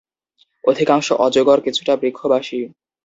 অধিকাংশ অজগর কিছুটা বৃক্ষবাসী।